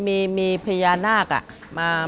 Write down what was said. มีหลานชายคนหนึ่งเขาไปสื่อจากคำชโนธ